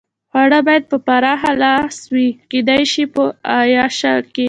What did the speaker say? خواړه باید په پراخه لاس وي، کېدای شي په اعاشه کې.